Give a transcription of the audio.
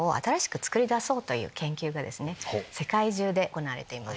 研究が世界中で行われています。